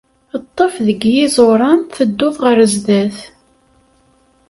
Ṭṭef deg yiẓuran, tedduḍ ɣer zdat.